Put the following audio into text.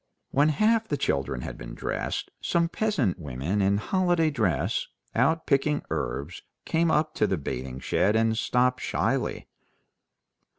When half the children had been dressed, some peasant women in holiday dress, out picking herbs, came up to the bathing shed and stopped shyly.